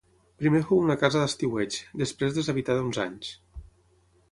Primer fou una casa d'estiueig, després deshabitada uns anys.